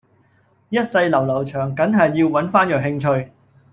一世流流長緊係要搵返樣興趣